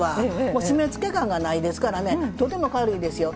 もう締めつけ感がないですからねとても軽いですよ。